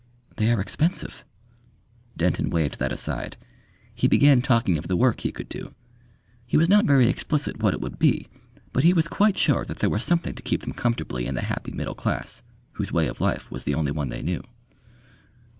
"They are expensive." Denton waved that aside. He began talking of the work he could do. He was not very explicit what it would be; but he was quite sure that there was something to keep them comfortably in the happy middle class, whose way of life was the only one they knew.